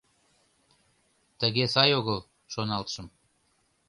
«Тыге сай огыл, — шоналтышым.